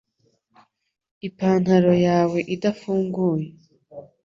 Ipantaro yawe idafunguye (Spamster)